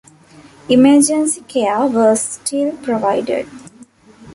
Emergency care was still provided.